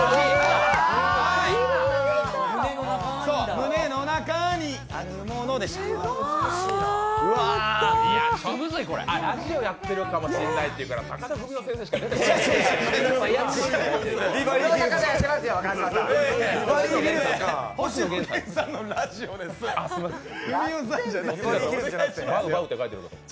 胸の中にあるものラジオやってるかもしれないっていうから高田文夫先生しか出てこなかった。